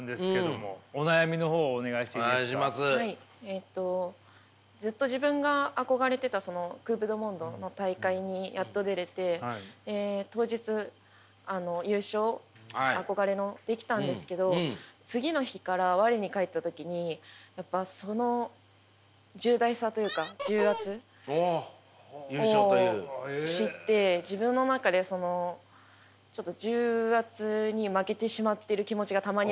えっとずっと自分が憧れてたそのクープ・デュ・モンドの大会にやっと出れて当日優勝憧れのできたんですけど次の日から我に返った時にやっぱその重大さというか重圧を知って自分の中でそのちょっと重圧に負けてしまっている気持ちがたまにあるんですね。